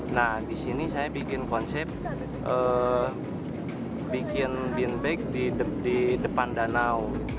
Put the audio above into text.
nah di sini saya bikin konsep bikin bin bag di depan danau